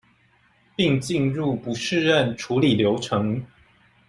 並進入不適任處理流程